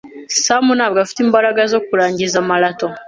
Sam ntabwo afite imbaraga zo kurangiza marato.